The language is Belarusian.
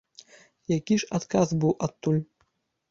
Які ж адказ быў адтуль?